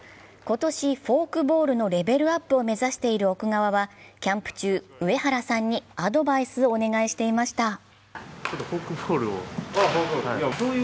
今年、フォークボールのレベルアップを目指している奥川はキャンプ中、上原さんにアドバイスをお願いしていました。